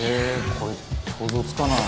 これ想像つかない」